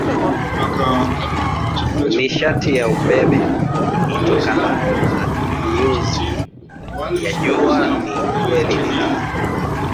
nishati ya umeme itokanayo na miyunzi ya jua ni kweli ni raha